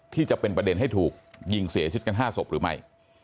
จะเป็นประเด็นให้ถูกยิงเสียชีวิตกัน๕ศพหรือไม่